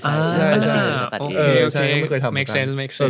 โอเคไม่เคยทำแบบนี้